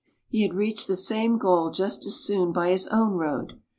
He had reached the same goal just as soon by his own road.